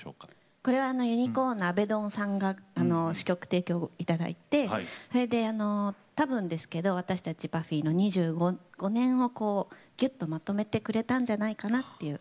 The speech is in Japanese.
これは、ＵＮＩＣＯＲＮのＡＢＥＤＯＮさんに提供いただいてたぶんですけど私たちＰＵＦＦＹの２５年をぎゅっとまとめてくれたんじゃないかなという。